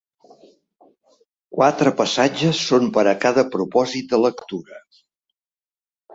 Quatre passatges són per a cada propòsit de lectura.